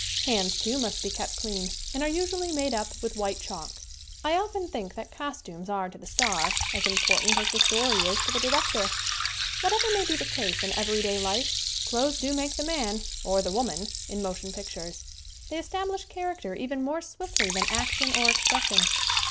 Hands, too, must be kept clean and are usually made up with white chalk. I often think that costumes are to the star as important as the story is to the director. Whatever may be the case in everyday life clothes do make the man, or the woman, in motion pictures. They establish character even more swiftly than action or expression.